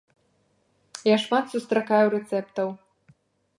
Я шмат сустракаю рэцэптаў.